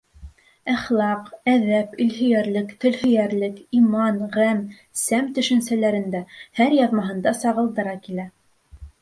Әхлаҡ, әҙәп, илһөйәрлек, телһөйәрлек, иман, ғәм, сәм төшөнсәләрен дә һәр яҙмаһында сағылдыра килә.